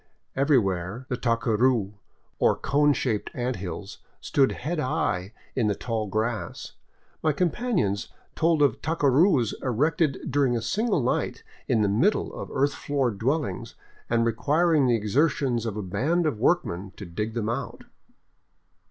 Everywhere the tacuni, or cone shaped ant hills, stood head high in the tall grass. My companions told of tacurus erected during a single night in the middle of earth floored dwellings and requiring the exertions of a band of workmen to dig them out.